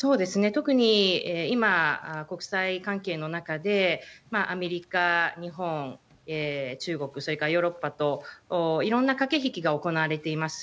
特に今、国際関係の中で、アメリカ、日本、中国、それからヨーロッパと、いろんな駆け引きが行われています。